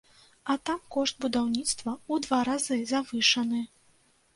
А там кошт будаўніцтва ў два разы завышаны!